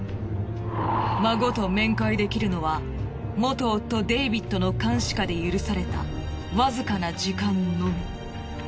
孫と面会できるのは元夫デイビッドの監視下で許されたわずかな時間のみ。